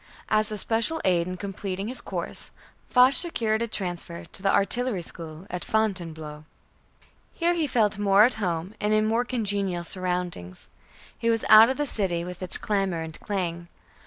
As a special aid in completing his course, Foch secured a transfer to the Artillery School at Fontainebleau. Here he felt more at home and in more congenial surroundings. He was out of the city with its clamor and clang.